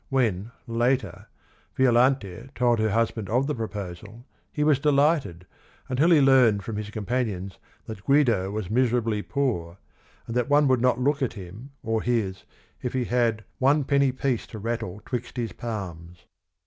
When, later, Violante told her husband of the proposal, he was delighted until he learned from his companions that Guido was miserably poor, and that he would not look at him or his if he had " one penny piece to rattle twixt his palms."